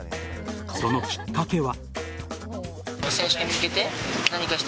そのきっかけは。